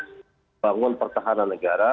pembangunan pertahanan negara